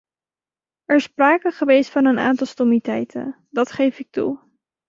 Er is sprake geweest van een aantal stommiteiten, dat geef ik toe.